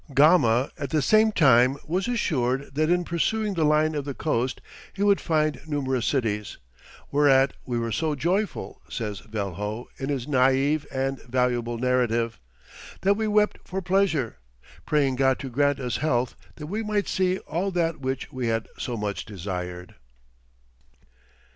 Gama at the same time was assured that in pursuing the line of the coast, he would find numerous cities; "Whereat we were so joyful," says Velho in his naïve and valuable narrative, "that we wept for pleasure, praying God to grant us health that we might see all that which we had so much desired."